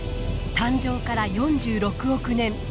誕生から４６億年。